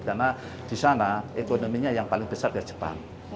karena di sana ekonominya yang paling besar ya jepang